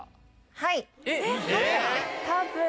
はい！